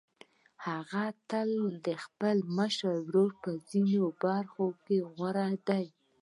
هغه تر خپل مشر ورور په ځينو برخو کې غوره دی.